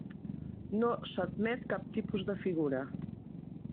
NO s'admet cap tipus de figura.